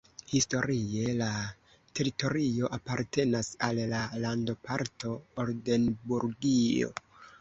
Historie la teritorio apartenas al la landoparto Oldenburgio.